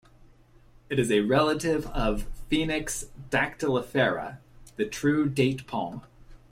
It is a relative of "Phoenix dactylifera", the true date palm.